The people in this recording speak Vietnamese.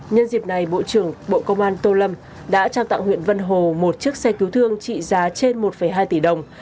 nhân dịp này bộ trưởng bộ công an tô lâm đã trao tặng huyện vân hồ một chiếc xe cứu thương trị giá trên một hai tỷ đồng